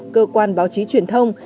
cơ quan báo chí truyền thông